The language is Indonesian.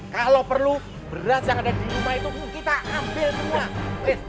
kalau perlu beras yang ada di rumah itu kita ambil semua